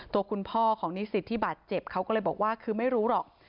ตัวคุณพ่อของนิสิตที่บาดเจ็บเขาก็เลยบอกว่าคือไม่รู้หรอก